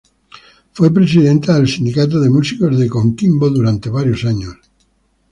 Fue presidenta del Sindicato de Músicos de Coquimbo durante varios años.